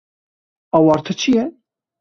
Awarte çi ye?